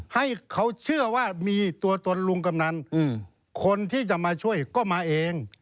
ให้เขาเชื่อว่ามีตัวตนลุงกำนันคนที่จะมาช่วยก็มาเอง